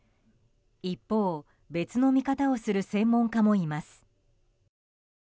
一方、別の見方をする専門家もいます。